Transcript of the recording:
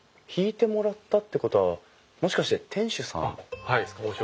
引いてもらったってことはもしかして店主さんですか？